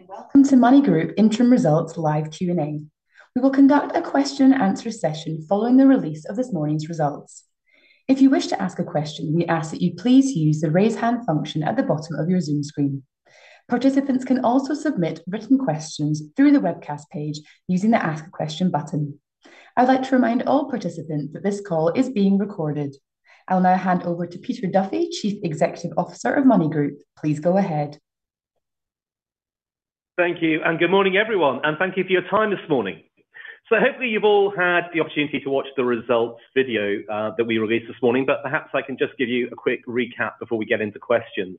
Good morning, and welcome to MONY Group Interim Results Live Q&A. We will conduct a question and answer session following the release of this morning's results. If you wish to ask a question, we ask that you please use the Raise Hand function at the bottom of your Zoom screen. Participants can also submit written questions through the webcast page using the Ask a Question button. I'd like to remind all participants that this call is being recorded. I'll now hand over to Peter Duffy, Chief Executive Officer of MONY Group. Please go ahead. Thank you, and good morning, everyone, and thank you for your time this morning. So hopefully you've all had the opportunity to watch the results video that we released this morning, but perhaps I can just give you a quick recap before we get into questions.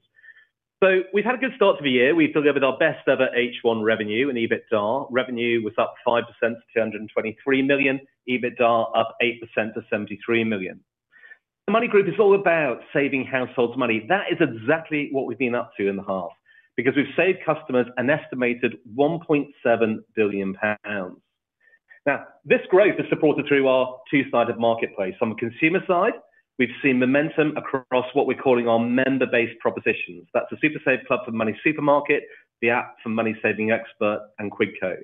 So we've had a good start to the year. We've delivered our best ever H1 revenue and EBITDA. Revenue was up 5% to 223 million. EBITDA up 8% to 73 million. The MONY Group is all about saving households money. That is exactly what we've been up to in the half, because we've saved customers an estimated 1.7 billion pounds. Now, this growth is supported through our two-sided marketplace. On the consumer side, we've seen momentum across what we're calling our member-based propositions. That's the SuperSaveClub for MoneySuperMarket, the app for MoneySavingExpert, and Quidco.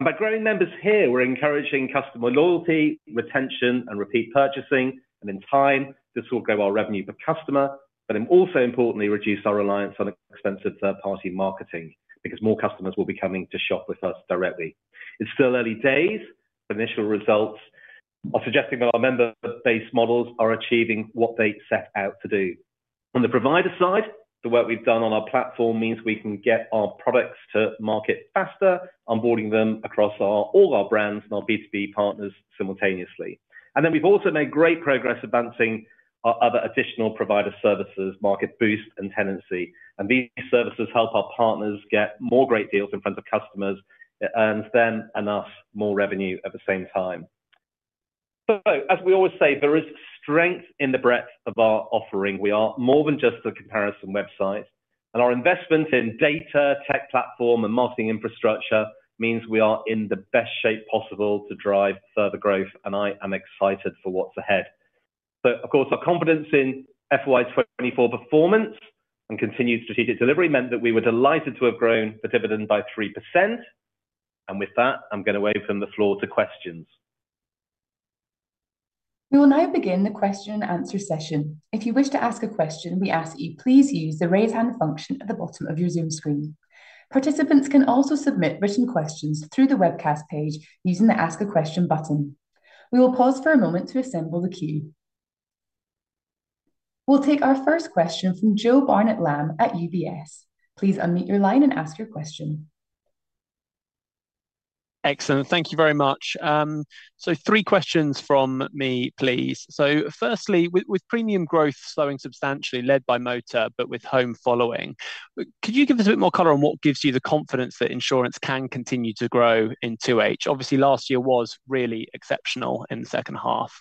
By growing members here, we're encouraging customer loyalty, retention, and repeat purchasing, and in time, this will grow our revenue per customer, but then also importantly, reduce our reliance on expensive third-party marketing, because more customers will be coming to shop with us directly. It's still early days. Initial results are suggesting that our member-based models are achieving what they set out to do. On the provider side, the work we've done on our platform means we can get our products to market faster, onboarding them across our, all our brands and our B2B partners simultaneously. And then we've also made great progress advancing our other additional provider services, Market Boost and Tenancy. And these services help our partners get more great deals in front of customers. It earns them and us more revenue at the same time. So as we always say, there is strength in the breadth of our offering. We are more than just a comparison website, and our investment in data, tech platform, and marketing infrastructure means we are in the best shape possible to drive further growth, and I am excited for what's ahead. So of course, our confidence in FY 2024 performance and continued strategic delivery meant that we were delighted to have grown the dividend by 3%. And with that, I'm going to open the floor to questions. We will now begin the question and answer session. If you wish to ask a question, we ask that you please use the Raise Hand function at the bottom of your Zoom screen. Participants can also submit written questions through the webcast page using the Ask a Question button. We will pause for a moment to assemble the queue. We'll take our first question from Joe Barnet-Lamb at UBS. Please unmute your line and ask your question. Excellent. Thank you very much. So three questions from me, please. So firstly, with premium growth slowing substantially, led by motor, but with home following, could you give us a bit more color on what gives you the confidence that insurance can continue to grow in 2H? Obviously, last year was really exceptional in the second half.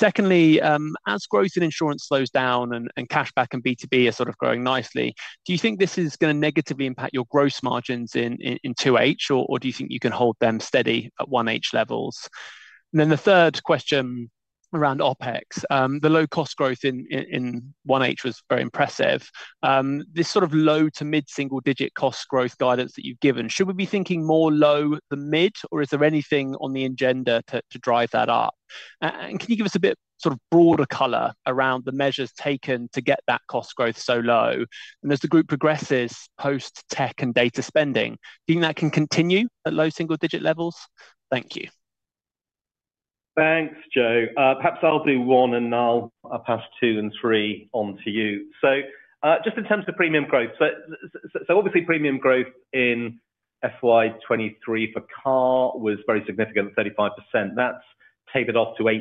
Secondly, as growth in insurance slows down and cashback and B2B are sort of growing nicely, do you think this is gonna negatively impact your gross margins in 2H, or do you think you can hold them steady at 1H levels? And then the third question around OpEx. The low cost growth in 1H was very impressive. This sort of low- to mid-single-digit cost growth guidance that you've given, should we be thinking more low than mid, or is there anything on the agenda to drive that up? And can you give us a bit, sort of broader color around the measures taken to get that cost growth so low? And as the group progresses post-tech and data spending, do you think that can continue at low single-digit levels? Thank you. Thanks, Joe. Perhaps I'll do one, and Niall, I'll pass two and three on to you. So, just in terms of premium growth, so obviously, premium growth in FY 2023 for car was very significant, 35%. That's tapered off to 18%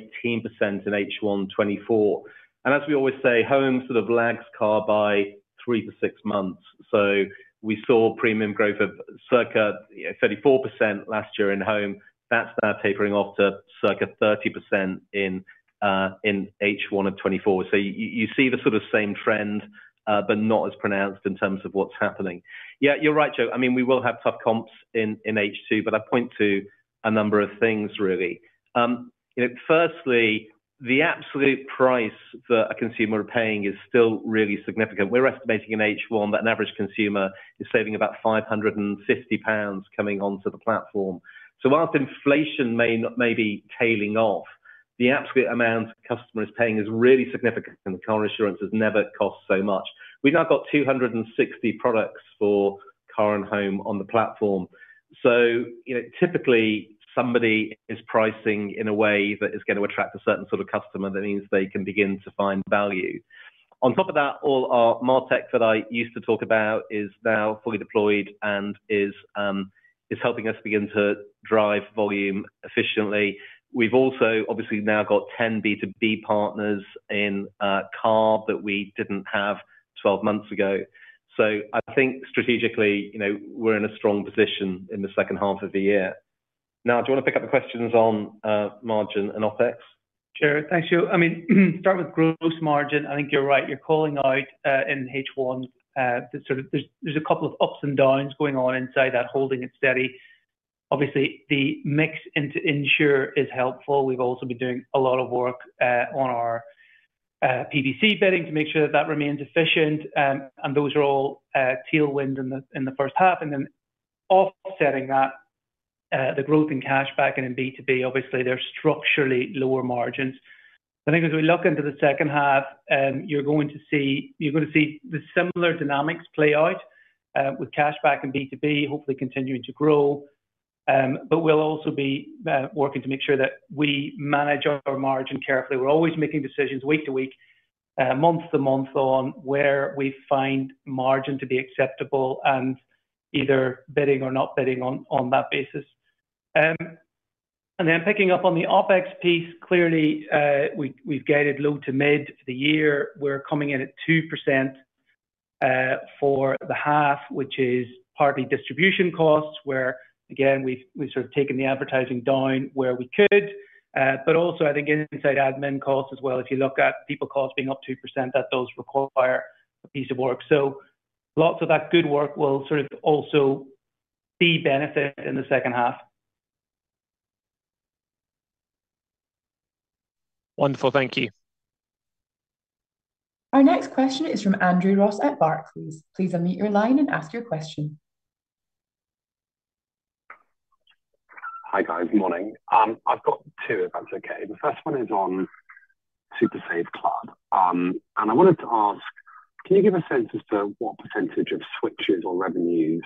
in H1 2024. And as we always say, home sort of lags car by three-six months. So we saw premium growth of circa 34% last year in home. That's now tapering off to circa 30% in H1 2024. So you see the sort of same trend, but not as pronounced in terms of what's happening. Yeah, you're right, Joe. I mean, we will have tough comps in H2, but I point to a number of things, really. You know, firstly, the absolute price that a consumer are paying is still really significant. We're estimating in H1 that an average consumer is saving about 550 pounds coming onto the platform. So whilst inflation may not, may be tailing off, the absolute amount the customer is paying is really significant, and car insurance has never cost so much. We've now got 260 products for car and home on the platform. So, you know, typically, somebody is pricing in a way that is gonna attract a certain sort of customer. That means they can begin to find value. On top of that, all our martech that I used to talk about is now fully deployed and is, is helping us begin to drive volume efficiently. We've also obviously now got 10 B2B partners in car that we didn't have 12 months ago. So I think strategically, you know, we're in a strong position in the second half of the year. Niall, do you want to pick up the questions on margin and OpEx? Sure. Thanks, Joe. I mean, start with gross margin. I think you're right. You're calling out in H1. There are a couple of ups and downs going on inside that, holding it steady. Obviously, the mix into insurance is helpful. We've also been doing a lot of work on our PPC bidding to make sure that that remains efficient. And those are all tailwinds in the first half, and then offsetting that, the growth in cashback and in B2B, obviously, they're structurally lower margins. I think as we look into the second half, you're going to see the similar dynamics play out with cashback and B2B hopefully continuing to grow. But we'll also be working to make sure that we manage our margin carefully. We're always making decisions week to week, month to month on where we find margin to be acceptable and either bidding or not bidding on that basis. And then picking up on the OpEx piece, clearly, we've guided low to mid the year. We're coming in at 2%, for the half, which is partly distribution costs, where again, we've sort of taken the advertising down where we could. But also I think inside admin costs as well, if you look at people costs being up 2%, that those require a piece of work. So lots of that good work will sort of also be benefit in the second half. Wonderful. Thank you. Our next question is from Andrew Ross at Barclays. Please unmute your line and ask your question. Hi, guys. Morning. I've got two, if that's okay. The first one is on SuperSaveClub. And I wanted to ask: Can you give a sense as to what percentage of switches or revenues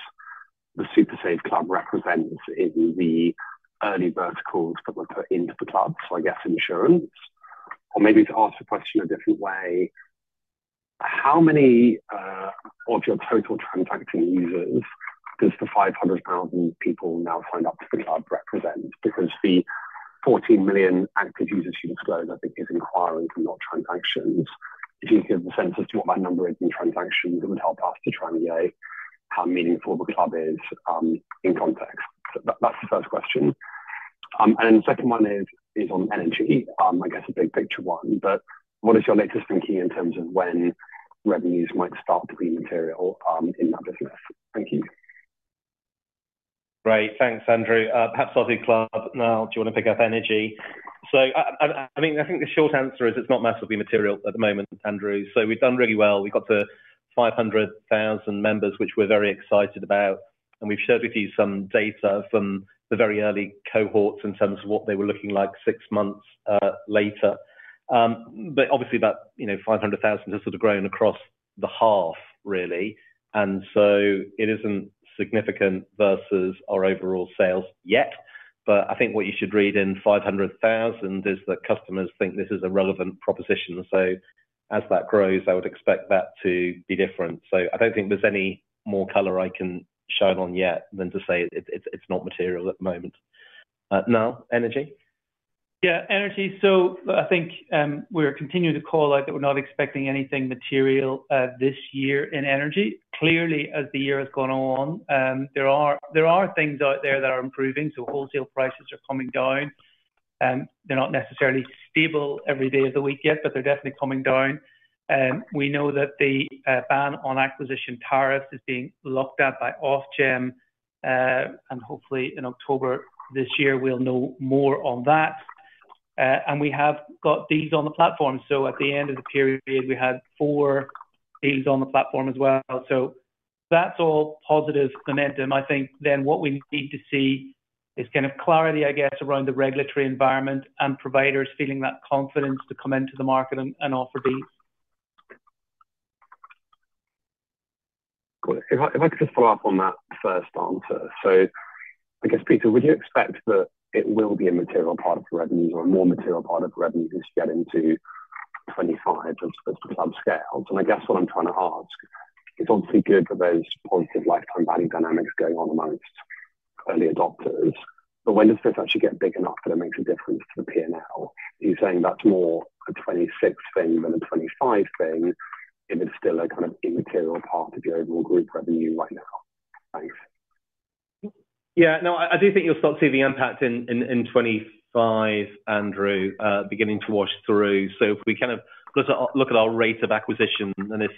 the SuperSaveClub represents in the early verticals that were put into the club, so I guess insurance? Or maybe to ask the question a different way, how many of your total transacting users does the 500,000 people now signed up to the club represent? Because the 14 million active users you've disclosed, I think, is inquiring and not transactions. If you could give a sense as to what that number is in transactions, that would help us to try and gauge how meaningful the club is in context. So that, that's the first question. And the second one is on energy. I guess a big picture one, but what is your latest thinking in terms of when revenues might start to be material, in that business? Thank you. Great. Thanks, Andrew. Perhaps I'll do club. Niall, do you want to pick up energy? So I mean, I think the short answer is it's not massively material at the moment, Andrew. So we've done really well. We got to 500,000 members, which we're very excited about, and we've shared with you some data from the very early cohorts in terms of what they were looking like six months later. But obviously, about, you know, 500,000 has sort of grown across the half, really, and so it isn't significant versus our overall sales yet. But I think what you should read in 500,000 is that customers think this is a relevant proposition. So as that grows, I would expect that to be different. So I don't think there's any more color I can shine on yet than to say it's not material at the moment. Niall, energy? Yeah, energy. So I think, we're continuing to call out that we're not expecting anything material, this year in energy. Clearly, as the year has gone on, there are things out there that are improving, so wholesale prices are coming down. They're not necessarily stable every day of the week yet, but they're definitely coming down. We know that the ban on acquisition tariffs is being looked at by Ofgem, and hopefully in October this year, we'll know more on that. And we have got these on the platform. So at the end of the period, we had 4 deals on the platform as well. So that's all positive momentum. I think then what we need to see is kind of clarity, I guess, around the regulatory environment and providers feeling that confidence to come into the market and offer these. Great. If I, if I could just follow up on that first answer. So I guess, Peter, would you expect that it will be a material part of the revenues or a more material part of the revenues getting to 25% of the SuperSaveClub sales? And I guess what I'm trying to ask, it's obviously good for those positive lifetime value dynamics going on amongst early adopters, but when does this actually get big enough that it makes a difference to the P&L? Are you saying that's more a 2026 thing than a 2025 thing, and it's still a kind of immaterial part of the overall group revenue right now? Thanks. Yeah. No, I do think you'll start to see the impact in 2025, Andrew, beginning to wash through. So if we kind of look at our rate of acquisition, and if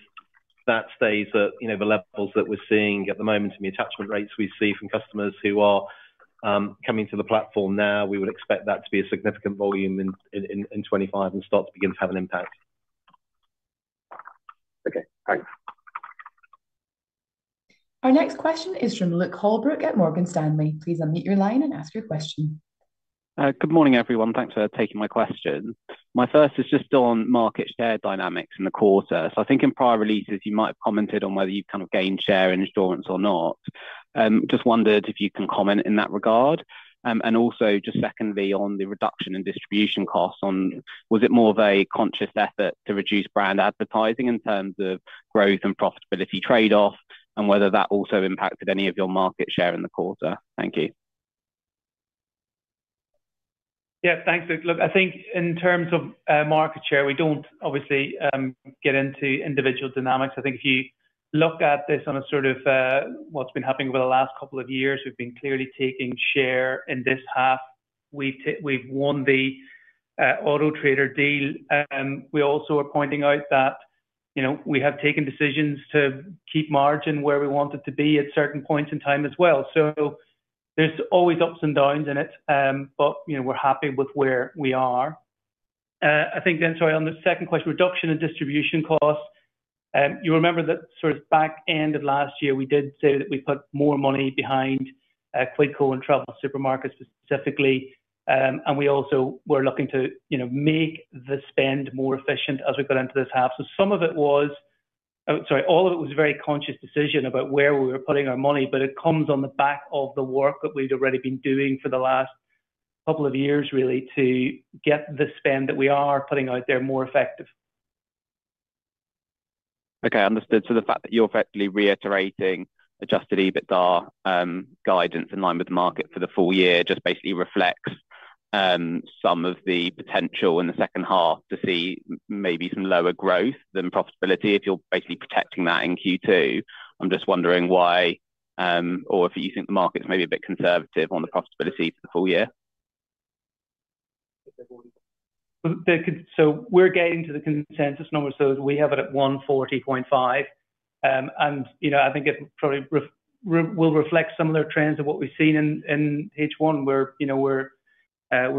that stays at, you know, the levels that we're seeing at the moment and the attachment rates we see from customers who are coming to the platform now, we would expect that to be a significant volume in 2025 and start to begin to have an impact. Okay, thanks. Our next question is from Luke Holbrook at Morgan Stanley. Please unmute your line and ask your question. Good morning, everyone. Thanks for taking my question. My first is just on market share dynamics in the quarter. So I think in prior releases, you might have commented on whether you've kind of gained share in insurance or not. Just wondered if you can comment in that regard. And also just secondly, on the reduction in distribution costs. Was it more of a conscious effort to reduce brand advertising in terms of growth and profitability trade-off, and whether that also impacted any of your market share in the quarter? Thank you. Yeah, thanks, Luke. Look, I think in terms of, market share, we don't obviously, get into individual dynamics. I think if you look at this on a sort of, what's been happening over the last couple of years. We've been clearly taking share. In this half, we've won the, Auto Trader deal, we also are pointing out that. You know, we have taken decisions to keep margin where we want it to be at certain points in time as well. So there's always ups and downs in it, but, you know, we're happy with where we are. I think then, sorry, on the second question, reduction in distribution costs. You remember that sort of back end of last year, we did say that we put more money behind, Quidco and TravelSupermarket specifically, and we also were looking to, you know, make the spend more efficient as we got into this half. So all of it was a very conscious decision about where we were putting our money, but it comes on the back of the work that we'd already been doing for the last couple of years, really, to get the spend that we are putting out there more effective. Okay, understood. So the fact that you're effectively reiterating adjusted EBITDA guidance in line with the market for the full year just basically reflects some of the potential in the second half to see maybe some lower growth than profitability. If you're basically protecting that in Q2, I'm just wondering why or if you think the market is maybe a bit conservative on the profitability for the full year? So we're getting to the consensus number, so we have it at 140.5. And, you know, I think it probably will reflect some of the trends of what we've seen in H1, where, you know, we're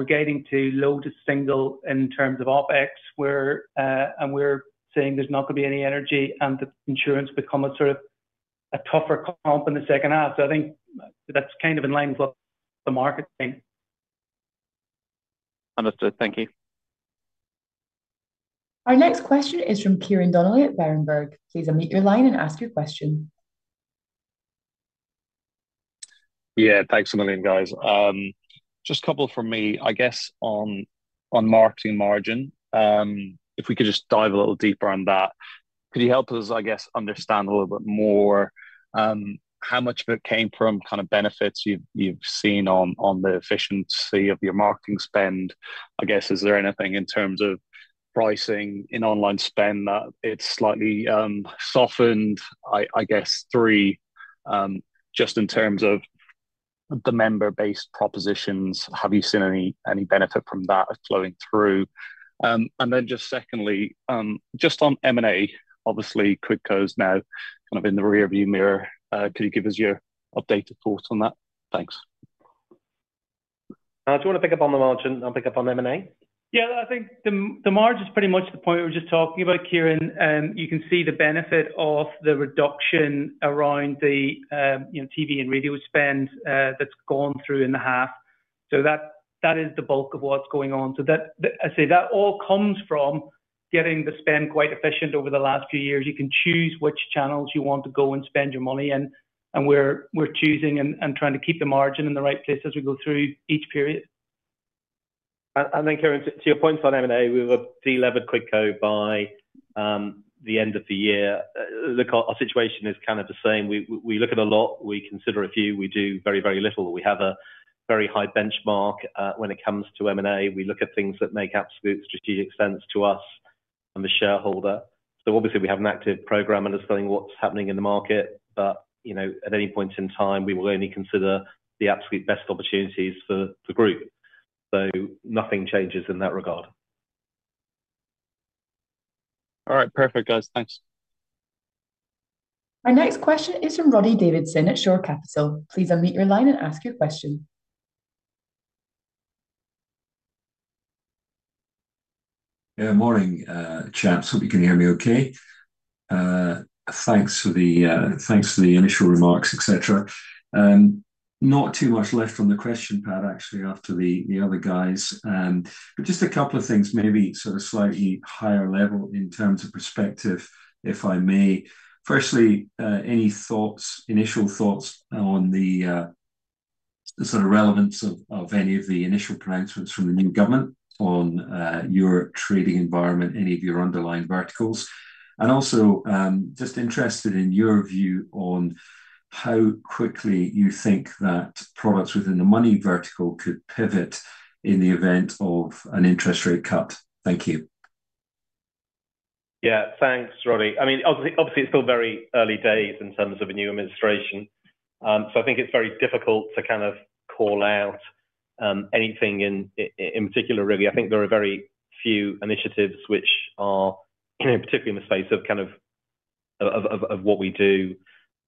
getting to low to single in terms of OpEx, and we're saying there's not going to be any energy, and the insurance become a sort of a tougher comp in the second half. So I think that's kind of in line with what the market think. Understood. Thank you. Our next question is from Ciarán Donnelly at Berenberg. Please unmute your line and ask your question. Yeah, thanks a million, guys. Just a couple from me, I guess, on marketing margin. If we could just dive a little deeper on that. Could you help us, I guess, understand a little bit more, how much of it came from kind of benefits you've seen on the efficiency of your marketing spend? I guess, is there anything in terms of pricing in online spend that it's slightly softened? I guess, just in terms of the member base propositions, have you seen any benefit from that flowing through? And then just secondly, just on M&A, obviously, Quidco is now kind of in the rearview mirror, could you give us your updated thoughts on that? Thanks. Do you want to pick up on the margin? I'll pick up on M&A. Yeah, I think the, the margin is pretty much the point we were just talking about, Ciarán, and you can see the benefit of the reduction around the, you know, TV and radio spend, that's gone through in the half. So that, that is the bulk of what's going on. So that, I say that all comes from getting the spend quite efficient over the last few years. You can choose which channels you want to go and spend your money, and, and we're, we're choosing and, and trying to keep the margin in the right place as we go through each period. Ciarán, to your point on M&A, we will delever Quidco by the end of the year. Look, our situation is kind of the same. We look at a lot, we consider a few, we do very, very little. We have a very high benchmark when it comes to M&A. We look at things that make absolute strategic sense to us and the shareholder. So obviously, we have an active program understanding what's happening in the market, but you know, at any point in time, we will only consider the absolute best opportunities for the group. So nothing changes in that regard. All right. Perfect, guys. Thanks. Our next question is from Roddy Davidson at Shore Capital. Please unmute your line and ask your question. Yeah, morning, chaps. Hope you can hear me okay. Thanks for the initial remarks, et cetera. Not too much left on the question I've had actually, after the other guys. But just a couple of things, maybe sort of slightly higher level in terms of perspective, if I may. Firstly, any thoughts, initial thoughts on the sort of relevance of any of the initial pronouncements from the new government on your trading environment, any of your underlying verticals? And also, just interested in your view on how quickly you think that products within the money vertical could pivot in the event of an interest rate cut. Thank you. Yeah. Thanks, Roddy. I mean, obviously, obviously, it's still very early days in terms of a new administration. So I think it's very difficult to kind of call out anything in particular, really. I think there are very few initiatives which are particularly in the space of kind of what we do.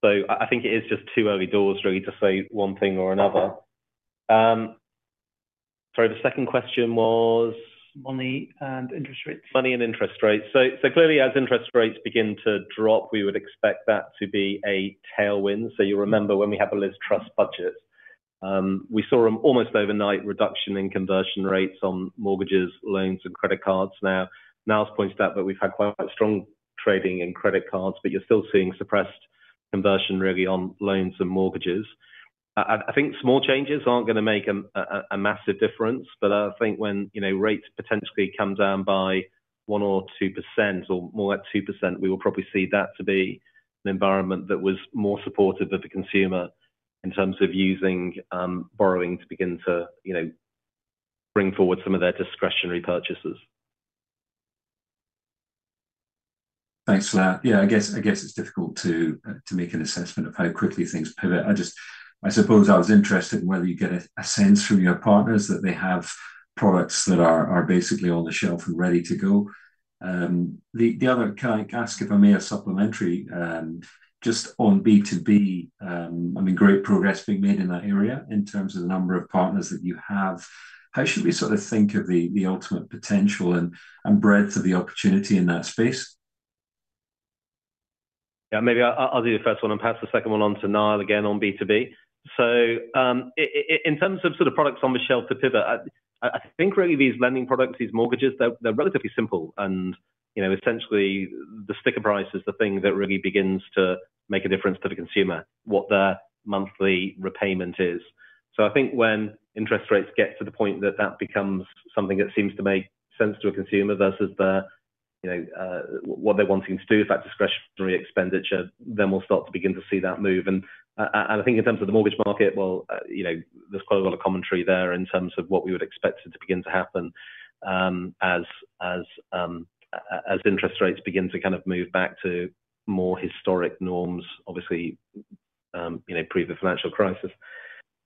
So I think it is just too early doors, really, to say one thing or another. Sorry, the second question was? Money and interest rates. Money and interest rates. So, so clearly, as interest rates begin to drop, we would expect that to be a tailwind. So you remember when we had the Liz Truss budget, we saw an almost overnight reduction in conversion rates on mortgages, loans, and credit cards. Now, Niall's pointed out that we've had quite a strong trading in credit cards, but you're still seeing suppressed conversion really on loans and mortgages. I think small changes aren't going to make a massive difference, but I think when, you know, rates potentially come down by 1% or 2% or more like 2%, we will probably see that to be an environment that was more supportive of the consumer in terms of using borrowing to begin to, you know, bring forward some of their discretionary purchases. Thanks for that. Yeah, I guess, I guess it's difficult to make an assessment of how quickly things pivot. I just. I suppose I was interested in whether you get a sense from your partners that they have products that are basically on the shelf and ready to go. Can I ask, if I may, a supplementary just on B2B? I mean, great progress being made in that area in terms of the number of partners that you have. How should we sort of think of the ultimate potential and breadth of the opportunity in that space? Yeah, maybe I'll do the first one, and pass the second one on to Niall again on B2B. So, in terms of sort of products on the shelf to pivot, I think really these lending products, these mortgages, they're relatively simple and, you know, essentially the sticker price is the thing that really begins to make a difference to the consumer, what their monthly repayment is. So I think when interest rates get to the point that that becomes something that seems to make sense to a consumer versus the, you know, what they're wanting to do with that discretionary expenditure, then we'll start to begin to see that move. And I think in terms of the mortgage market, well, you know, there's quite a lot of commentary there in terms of what we would expect it to begin to happen, as interest rates begin to kind of move back to more historic norms, obviously, you know, pre the financial crisis.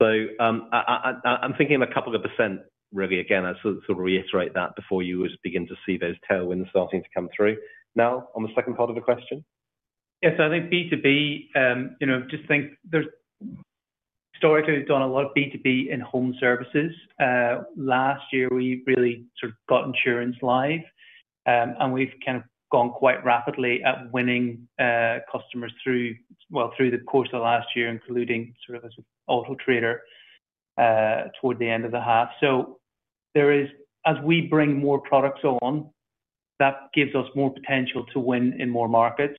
So, I'm thinking of a couple of percent, really, again, I sort of reiterate that before you would begin to see those tailwinds starting to come through. Niall, on the second part of the question? Yes, so I think B2B, you know, just think there's historically, we've done a lot of B2B in home services. Last year, we really sort of got insurance live, and we've kind of gone quite rapidly at winning, customers through, well, through the course of last year, including sort of as Auto Trader, toward the end of the half. So there is, as we bring more products on, that gives us more potential to win in more markets.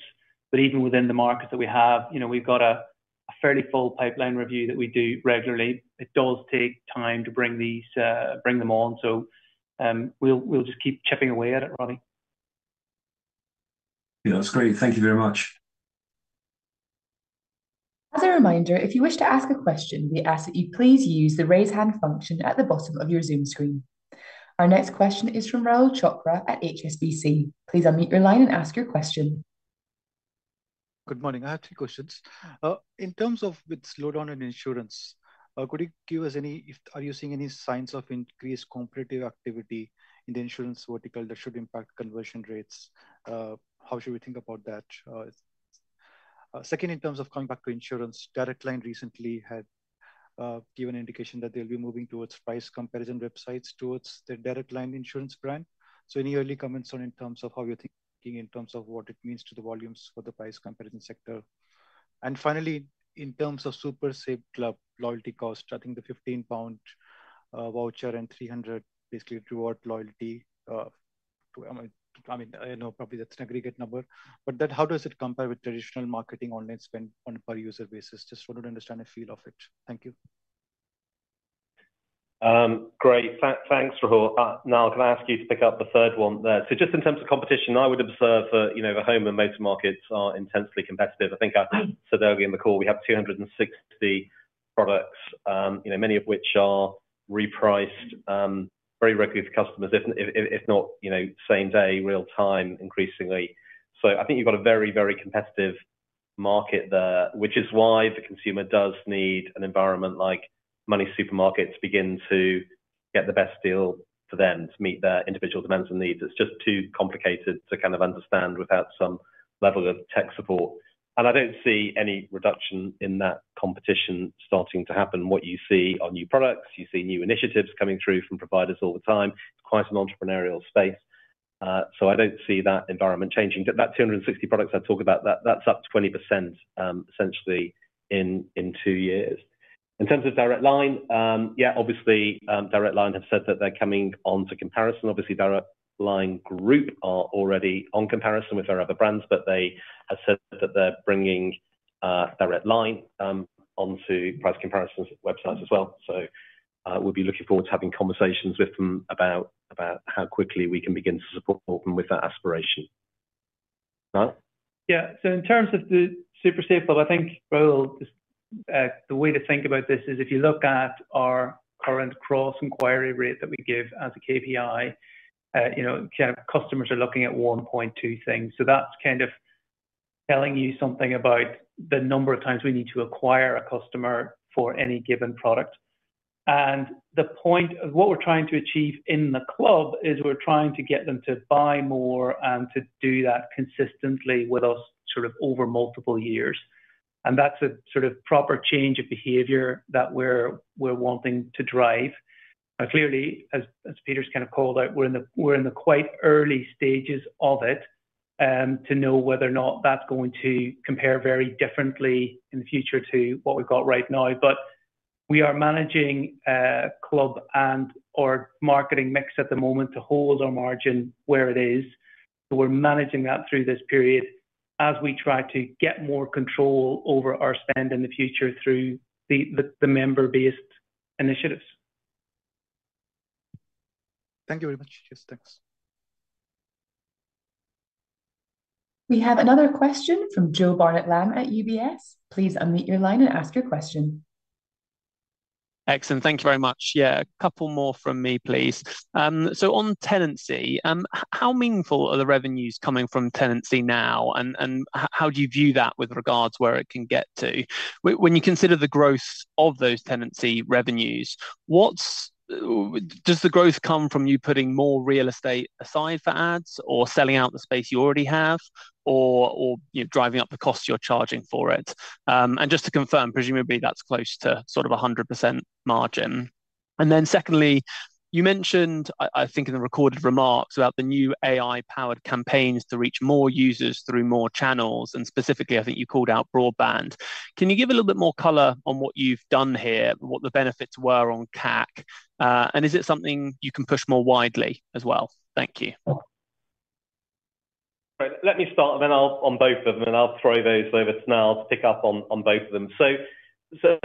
But even within the markets that we have, you know, we've got a, a fairly full pipeline review that we do regularly. It does take time to bring these, bring them on, so, we'll, we'll just keep chipping away at it, Roddy. Yeah, that's great. Thank you very much. As a reminder, if you wish to ask a question, we ask that you please use the Raise Hand function at the bottom of your Zoom screen. Our next question is from Rahul Chopra at HSBC. Please unmute your line and ask your question. Good morning. I have three questions. In terms of with slowdown in insurance, could you give us any. Are you seeing any signs of increased competitive activity in the insurance vertical that should impact conversion rates? How should we think about that? Second, in terms of coming back to insurance, Direct Line recently had given indication that they'll be moving towards price comparison websites towards the Direct Line insurance brand. So any early comments on in terms of how you're thinking in terms of what it means to the volumes for the price comparison sector? Finally, in terms of SuperSaveClub loyalty cost, I think the 15 pound voucher and 300 basically reward loyalty, I mean, I know probably that's an aggregate number, but then how does it compare with traditional marketing online spend on a per user basis? Just wanted to understand the feel of it. Thank you. Great. Thanks, Rahul. Niall, can I ask you to pick up the third one there? So just in terms of competition, I would observe that, you know, the home and motor markets are intensely competitive. I think I said earlier in the call, we have 260 products, you know, many of which are repriced very regularly for customers, if not, you know, same-day, real-time, increasingly. So I think you've got a very, very competitive market there, which is why the consumer does need an environment like MoneySuperMarket to begin to get the best deal for them to meet their individual demands and needs. It's just too complicated to kind of understand without some level of tech support. I don't see any reduction in that competition starting to happen. What you see are new products, you see new initiatives coming through from providers all the time. It's quite an entrepreneurial space, so I don't see that environment changing. But that 260 products I talk about, that's up 20%, essentially in two years. In terms of Direct Line, yeah, obviously, Direct Line have said that they're coming on to comparison. Obviously, Direct Line Group are already on comparison with their other brands, but they have said that they're bringing Direct Line onto price comparison websites as well. So, we'll be looking forward to having conversations with them about how quickly we can begin to support them with that aspiration. Niall? Yeah. So in terms of the SuperSaveClub, I think, Rahul, the way to think about this is if you look at our current cross-inquiry rate that we give as a KPI, you know, kind of customers are looking at 1.2 things. So that's kind of telling you something about the number of times we need to acquire a customer for any given product. And the point of what we're trying to achieve in the club is we're trying to get them to buy more and to do that consistently with us sort of over multiple years. And that's a sort of proper change of behavior that we're wanting to drive. But clearly, as Peter's kind of called out, we're in the quite early stages of it to know whether or not that's going to compare very differently in the future to what we've got right now. But we are managing club and/or marketing mix at the moment to hold our margin where it is. So we're managing that through this period as we try to get more control over our spend in the future through the member-based initiatives. Thank you very much. Yes, thanks. We have another question from Joe Barnet-Lamb at UBS. Please unmute your line and ask your question. Excellent. Thank you very much. Yeah, a couple more from me, please. So on tenancy, how meaningful are the revenues coming from tenancy now? And how do you view that with regards where it can get to? When you consider the growth of those tenancy revenues, what's, does the growth come from you putting more real estate aside for ads or selling out the space you already have, or, you know, driving up the cost you're charging for it? And just to confirm, presumably, that's close to sort of 100% margin. And then secondly, you mentioned, I think in the recorded remarks, about the new AI-powered campaigns to reach more users through more channels, and specifically, I think you called out broadband. Can you give a little bit more color on what you've done here, what the benefits were on CAC? Is it something you can push more widely as well? Thank you. Right. Let me start, and then I'll-- on both of them, and I'll throw those over to Niall to pick up on, on both of them. So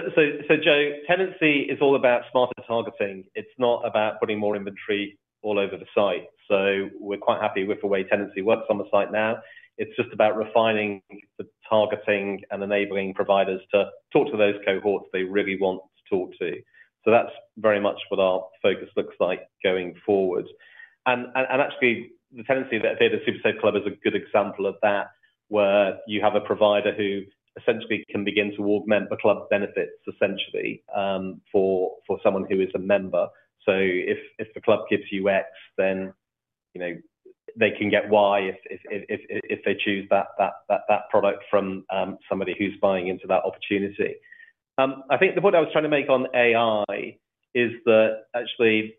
Joe, tenancy is all about smarter targeting. It's not about putting more inventory all over the site. So we're quite happy with the way tenancy works on the site now. It's just about refining the targeting and enabling providers to talk to those cohorts they really want to talk to. So that's very much what our focus looks like going forward. And actually, the tenancy that the SuperSaveClub is a good example of that, where you have a provider who essentially can begin to augment the club benefits, essentially, for someone who is a member. So if the club gives you X, then, you know, they can get Y, if they choose that product from somebody who's buying into that opportunity. I think the point I was trying to make on AI is that actually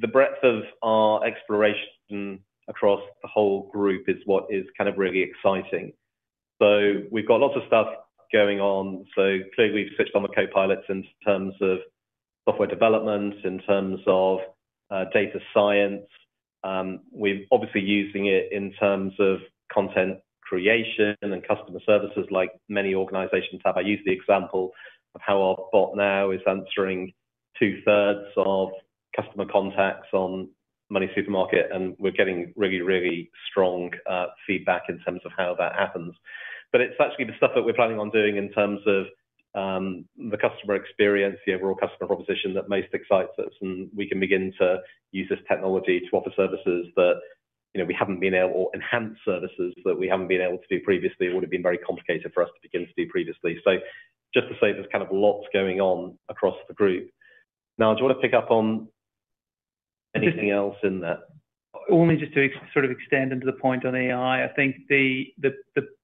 the breadth of our exploration across the whole group is what is kind of really exciting. So we've got lots of stuff going on. So clearly, we've switched on the copilots in terms of software development, in terms of data science. We're obviously using it in terms of content creation and then customer services, like many organizations have. I use the example of how our bot now is answering two-thirds of customer contacts on MoneySuperMarket, and we're getting really, really strong feedback in terms of how that happens. It's actually the stuff that we're planning on doing in terms of, the customer experience, the overall customer proposition that most excites us, and we can begin to use this technology to offer services that, you know, we haven't been able or enhance services that we haven't been able to do previously, or would have been very complicated for us to begin to do previously. Just to say there's kind of lots going on across the group. Niall, do you want to pick up on anything else in that? Only just to sort of extend into the point on AI. I think the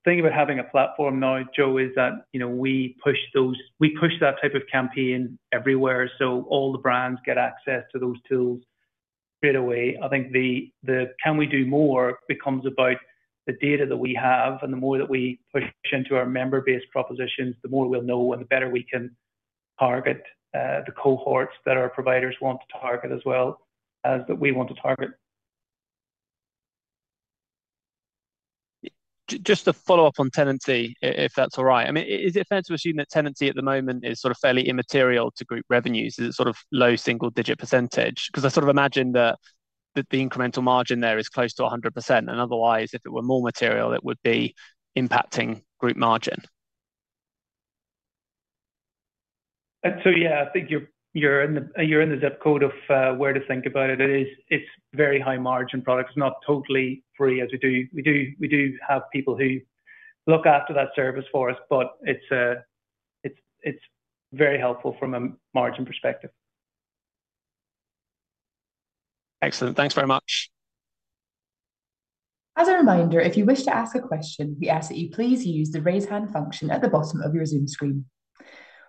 thing about having a platform now, Joe, is that, you know, we push that type of campaign everywhere, so all the brands get access to those tools straight away. I think the "Can we do more?" becomes about the data that we have, and the more that we push into our member-based propositions, the more we'll know and the better we can target the cohorts that our providers want to target as well, as that we want to target. Just to follow up on tenancy, if that's all right. I mean, is it fair to assume that tenancy at the moment is sort of fairly immaterial to group revenues? Is it sort of low single-digit percentage? Because I sort of imagine that the incremental margin there is close to 100%, and otherwise, if it were more material, it would be impacting group margin. So yeah, I think you're in the zip code of where to think about it. It is very high-margin products, not totally free, as we do—we do have people who look after that service for us, but it's very helpful from a margin perspective. Excellent. Thanks very much. As a reminder, if you wish to ask a question, we ask that you please use the Raise Hand function at the bottom of your Zoom screen.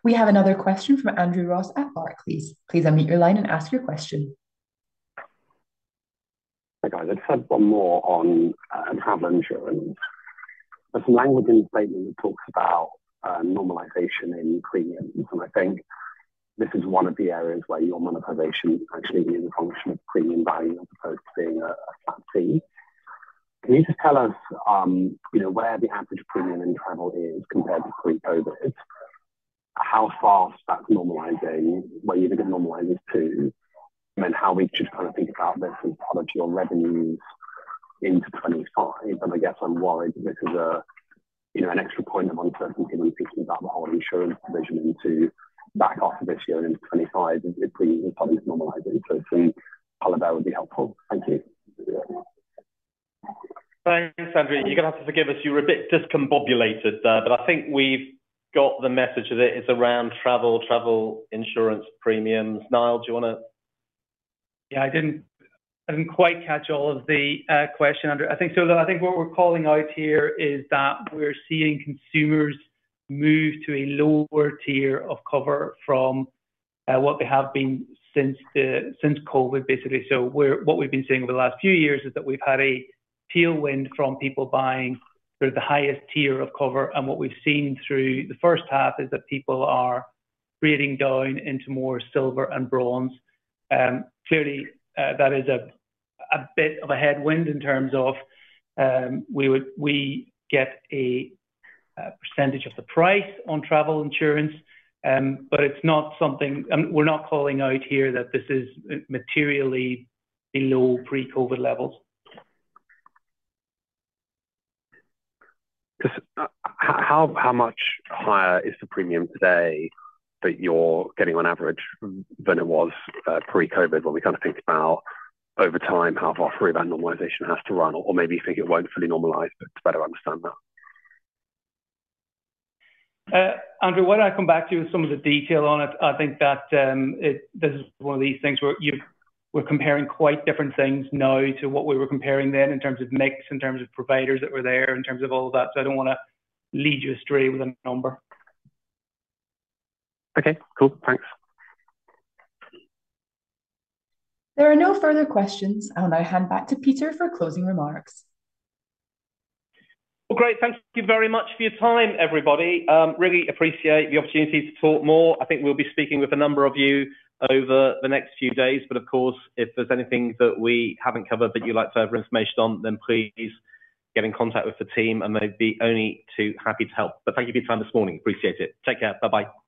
We have another question from Andrew Ross at Barclays. Please unmute your line and ask your question. Hi, guys. I just have one more on travel insurance. There's some language in the statement that talks about normalization in premiums, and I think this is one of the areas where your monetization is actually being a function of premium value as opposed to being a flat fee. Can you just tell us, you know, where the average premium in travel is compared to pre-COVID? How fast that's normalizing, where you think it normalizes to, and how we should kind of think about this in terms of your revenues into 2025? And I guess I'm worried that this is a, you know, an extra point of uncertainty when we think about the whole insurance provision into back half of this year and into 2025, if we, it probably is normalizing. So some color there would be helpful. Thank you. Thanks, Andrew. You're gonna have to forgive us. You were a bit discombobulated there, but I think we've got the message of it. It's around travel, travel insurance premiums. Niall, do you wanna? Yeah, I didn't, I didn't quite catch all of the question, Andrew. I think so, I think what we're calling out here is that we're seeing consumers move to a lower tier of cover from what they have been since the since COVID, basically. So we're what we've been seeing over the last few years is that we've had a tailwind from people buying the highest tier of cover, and what we've seen through the first half is that people are grading down into more silver and bronze. Clearly, that is a bit of a headwind in terms of we would we get a percentage of the price on travel insurance, but it's not something... We're not calling out here that this is materially below pre-COVID levels. Cause how, how much higher is the premium today that you're getting on average than it was, pre-COVID, when we kind of think about over time, how far through that normalization has to run, or maybe you think it won't fully normalize, but to better understand that? Andrew, why don't I come back to you with some of the detail on it? I think that this is one of these things where you're, we're comparing quite different things now to what we were comparing then in terms of mix, in terms of providers that were there, in terms of all that. So I don't wanna lead you astray with a number. Okay, cool. Thanks. There are no further questions. I'll now hand back to Peter for closing remarks. Well, great. Thank you very much for your time, everybody. Really appreciate the opportunity to talk more. I think we'll be speaking with a number of you over the next few days, but of course, if there's anything that we haven't covered that you'd like to have information on, then please get in contact with the team, and they'd be only too happy to help. But thank you for your time this morning. Appreciate it. Take care. Bye-bye.